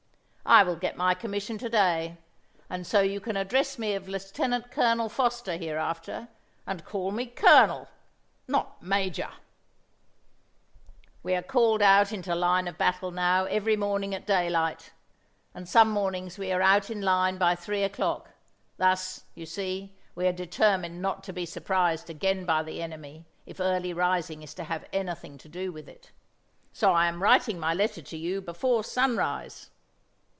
I will get my commission to day, and so you can address me as Lieutenant Colonel Foster hereafter, and call me colonel, not major! "We are called out into line of battle now every morning at daylight, and some mornings we are out in line by three o'clock; thus, you see, we are determined not to be surprised again by the enemy, if early rising is to have anything to do with it. So I am writing my letter to you before sunrise!"